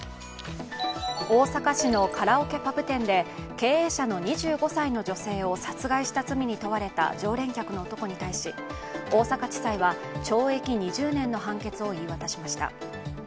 大阪市のカラオケパブ店で経営者の２５歳の女性を殺害した罪に問われた常連客の男に対し大阪地裁は懲役２０年の判決を言い渡しました。